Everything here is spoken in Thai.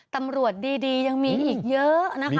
ตำรวจดียังมีอีกเยอะนะคะ